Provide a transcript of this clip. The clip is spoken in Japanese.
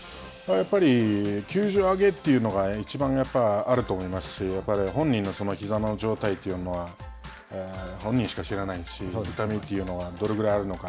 やっぱり休場明けというのが、いちばんやっぱりあると思いますし、本人のひざの状態というのは、本人しか知らないし、痛みというのはどれぐらいあるのか。